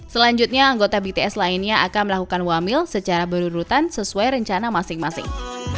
selanjutnya anggota bts lainnya akan melakukan wamil secara berurutan sesuai rencana masing masing